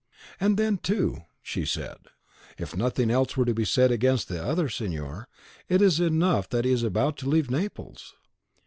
"And then, too," she said, "if nothing else were to be said against the other signor, it is enough that he is about to leave Naples."